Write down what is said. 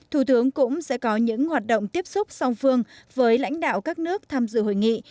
thủ tướng cũng sẽ có những hoạt động tiếp xúc song phương với lãnh đạo các nước tham dự hội nghị